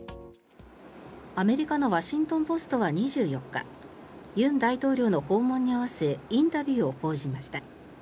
アメリカのワシントン・ポストは２４日尹大統領の訪問に合わせインタビューを報じました。